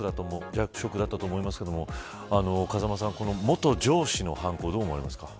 ショックだったと思いますが風間さん、この元上司の犯行をどう思われますか。